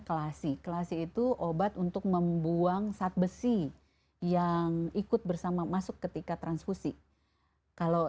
kelasi kelasi itu obat untuk membuang sat besi yang ikut bersama masuk ketika transfusi kalau